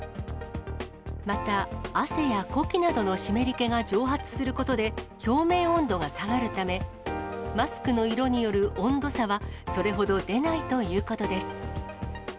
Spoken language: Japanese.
また、汗や呼気などの湿り気が蒸発することで、表面温度が下がるため、マスクの色による温度差は、それほど出ないということです。